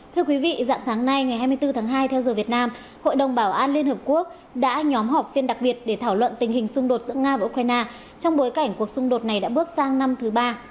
thưa quý vị dạng sáng nay ngày hai mươi bốn tháng hai theo giờ việt nam hội đồng bảo an liên hợp quốc đã nhóm họp phiên đặc biệt để thảo luận tình hình xung đột giữa nga và ukraine trong bối cảnh cuộc xung đột này đã bước sang năm thứ ba